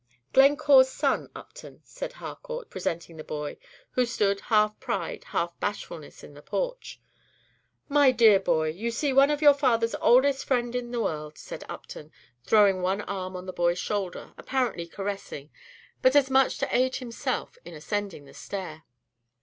"Glencore's son, Upton," said Harcourt, presenting the boy, who stood, half pride, half bashfulness, in the porch. "My dear boy, you see one of your father's oldest friends in the world," said Upton, throwing one arm on the boy's shoulder, apparently caressing, but as much to aid himself in ascending the stair.